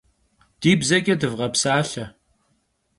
Di bzeç'e dıvğepsalhe!